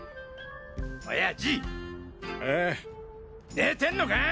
寝てんのか！？